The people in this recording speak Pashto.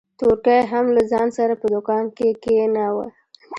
تورکى يې هم له ځان سره په دوکان کښې کښېناوه.